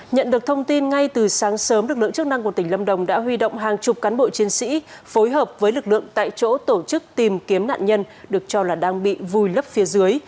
nhận được thông tin ngay từ sáng sớm lực lượng chức năng của tỉnh lâm đồng đã huy động hàng chục cán bộ chiến sĩ phối hợp với lực lượng tại chỗ tổ chức tìm kiếm nạn nhân được cho là đang bị vùi lấp phía dưới